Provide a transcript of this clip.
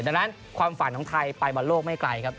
ดังนั้นความฝันของไทยไปบอลโลกไม่ไกลครับ